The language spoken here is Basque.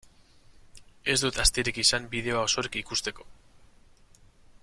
Ez dut astirik izan bideoa osorik ikusteko.